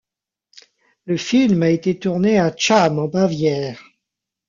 Le film a été tourné à Cham en Bavière.